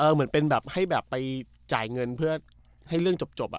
เหมือนให้ไปจ่ายเงินเพื่อให้เรื่องจบอ่ะ